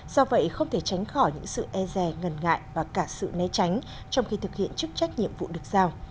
do vậy không thể tránh khỏi những sự e rè ngần ngại và cả sự né tránh trong khi thực hiện chức trách nhiệm vụ được giao